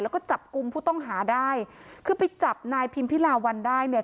แล้วก็จับกลุ่มผู้ต้องหาได้คือไปจับนายพิมพิลาวันได้เนี่ย